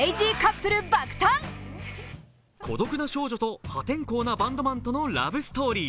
孤独な少女と破天荒なバンドマンとのラブストーリー。